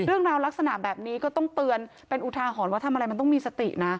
ลักษณะแบบนี้ก็ต้องเตือนเป็นอุทาหรณ์ว่าทำอะไรมันต้องมีสตินะ